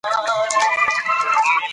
د موبایل رڼا د ملا په مخ وځلېده.